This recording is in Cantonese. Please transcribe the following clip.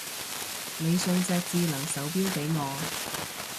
你送隻智能手錶俾我